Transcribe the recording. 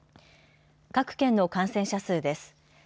各県の感染者数です。